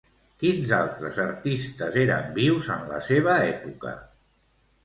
Quins altres artistes eren vius en la seva època?